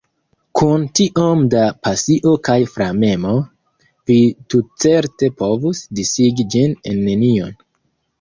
Kun tiom da pasio kaj flamemo, vi tutcerte povus disigi ĝin en nenion.